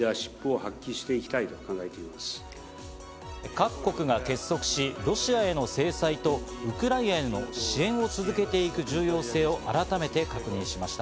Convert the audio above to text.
各国が結束し、ロシアへの制裁と、ウクライナへの支援を続けていく重要性を改めて確認しました。